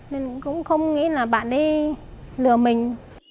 nên cũng không nghĩ là bạn đấy lừa mình